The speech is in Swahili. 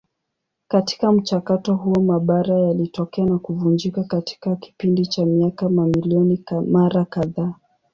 Katika mchakato huo mabara yalitokea na kuvunjika katika kipindi cha miaka mamilioni mara kadhaa.